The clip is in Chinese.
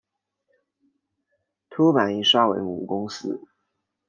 凸版印刷为母公司。